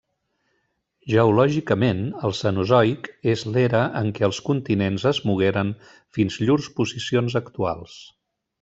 Geològicament, el Cenozoic és l'era en què els continents es mogueren fins llurs posicions actuals.